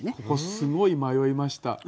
ここすごい迷いました。